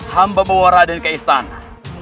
hamba membawa raden ke istana